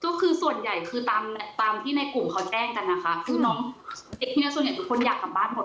ก็คือส่วนใหญ่คือตามตามที่ในกลุ่มเขาแจ้งกันนะคะคือน้องเด็กทีนี้ส่วนใหญ่ทุกคนอยากกลับบ้านหมด